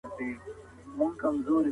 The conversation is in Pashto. فریدالدین عطار د ناپوهۍ مثالونه راوړل.